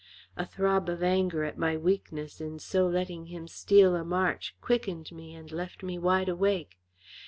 A throb of anger at my weakness in so letting him steal a march quickened me and left me wide awake.